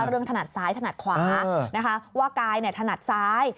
เรื่องถนัดซ้ายถนัดขวาว่ากายถนัดซ้าย